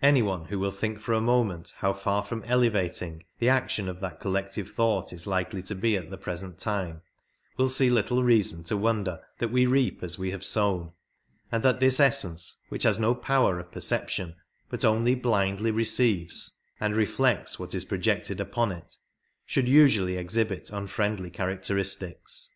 Any one who will think for a moment how far from elevating the action of that collective thought is likely to be at the present time will see little reason to wonder that we reap as we have sown, and that this essence, which has no power of per ception, but only blindly receives and reflects what is pro jected upon it, should usually exhibit unfriendly character istics.